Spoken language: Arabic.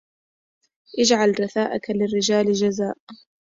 اجعل رثاءك للرجال جزاء